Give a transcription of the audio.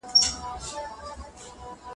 ده د تورې او قلم دواړه د پښتنو لپاره کارولې